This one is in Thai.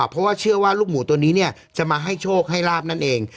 เพราะว่าเชื่อว่าลูกหมูตัวนี้จะมาให้โชคให้ลาบนั่นเอง